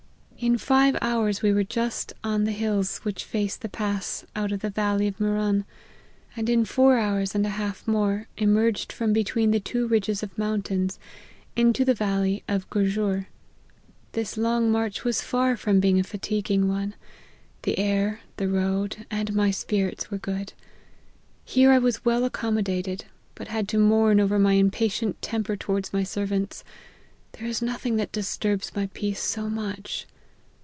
In five hours we were just on the Kills which face the pass out of the valley of Murun, and in four hours and a half more, emerged from between the two ridges of mountains, into the valley of Gurjur, This long march was far from being a fatiguing one. The air, the road, and my spirits were good. Here I was well accommo dated, but had to mourn over my impatient temper towards my servants ; there is nothing that disturbs my peace so much.